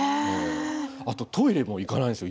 あとトイレも行かないんですよ